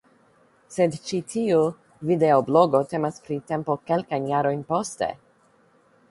Sed ĉi tiu videoblogo temas pri tempo kelkajn jarojn poste.